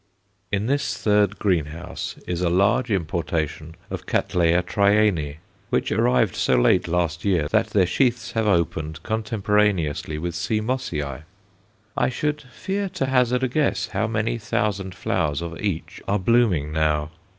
In this third greenhouse is a large importation of Cattleya Trianæ, which arrived so late last year that their sheaths have opened contemporaneously with C. Mossiæ. I should fear to hazard a guess how many thousand flowers of each are blooming now.